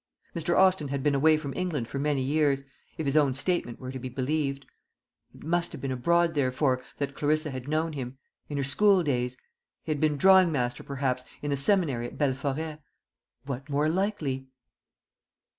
Mr. Austin had been away from England for many years, if his own statement were to be believed. It must have been abroad, therefore, that Clarissa had known him in her school days. He had been drawing master, perhaps, in the seminary at Belforêt. What more likely?